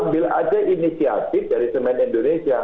ambil aja inisiatif dari semen indonesia